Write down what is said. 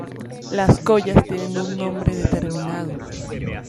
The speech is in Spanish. Las collas tienen un nombre determinado.